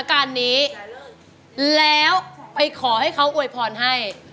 การนี้แล้วไปขอให้เขาอวยพรให้